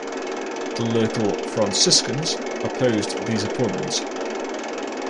The local Franciscans opposed these appointments.